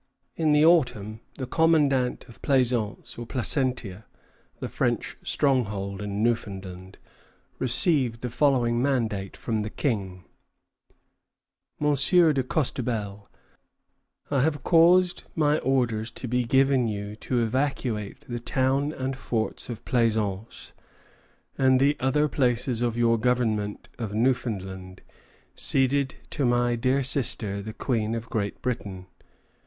In the autumn, the commandant of Plaisance, or Placentia, the French stronghold in Newfoundland, received the following mandate from the King: Monsieur de Costebelle, I have caused my orders to be given you to evacuate the town and forts of Plaisance and the other places of your government of Newfoundland, ceded to my dear sister the Queen of Great Britain.